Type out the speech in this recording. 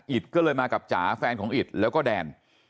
ก็เลยมากับจ๋าแฟนของอิตแล้วก็แดน